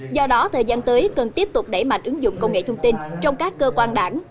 do đó thời gian tới cần tiếp tục đẩy mạnh ứng dụng công nghệ thông tin trong các cơ quan đảng